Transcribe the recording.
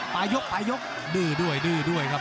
ปลายกปลายยกดื้อด้วยดื้อด้วยครับ